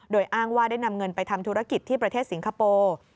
โดยอ้างว่าได้นำเงินไปทำธุรกิจที่ประเทศสิงคโปร์